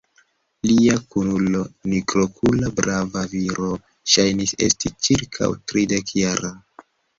Lia kunulo, nigrokula brava viro, ŝajnis esti ĉirkaŭ tridekjara.